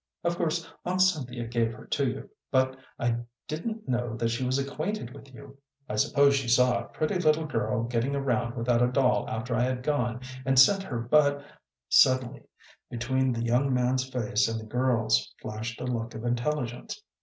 Of course Aunt Cynthia gave her to you, but I didn't know that she was acquainted with you. I suppose she saw a pretty little girl getting around without a doll after I had gone, and sent her, but " Suddenly between the young man's face and the girl's flashed a look of intelligence.